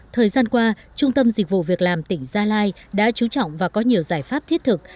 thời gian qua trung tâm dịch vụ việc làm tỉnh gia lai đã chú trọng và có nhiều giải pháp thiết thực